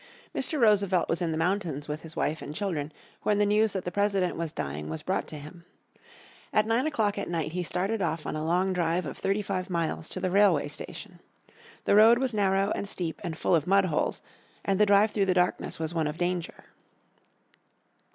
Mr. Roosevelt was in the mountains with his wife and children when the news that the President was dying was brought to him. At nine o'clock at night he started off on a long drive of thirty five miles to the railway station. The road was narrow, and steep, and full of mudholes, and the drive through the darkness was one of danger.